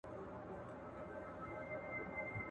په پردي محفل کي سوځم، پر خپل ځان غزل لیکمه.